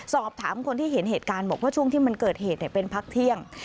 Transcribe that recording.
สอบถามคนที่เห็นเหตุการณ์บอกว่าช่วงที่มันเกิดเหตุเป็นพักเที่ยง